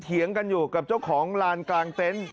เถียงกันอยู่กับเจ้าของลานกลางเต็นต์